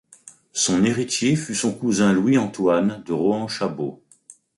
Son héritier fut son cousin Louis-Antoine de Rohan-Chabot.